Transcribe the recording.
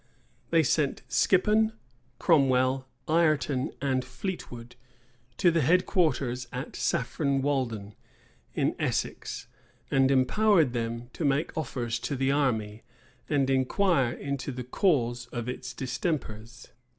They sent Skippon, Cromwell, Ireton, and Fleetwood, to the head quarters at Saffron Weldon, in Essex, and empowered them to make offers to the army, and inquire into the cause of its distempers.